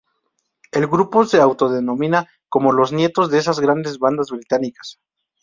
El grupo se autodenomina como ""los nietos de esas grandes bandas británicas.